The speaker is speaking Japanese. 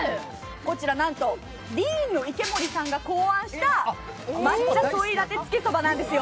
こちらなんと、ＤＥＥＮの池森さんが考案した、抹茶ソイラテつけそばなんですよ。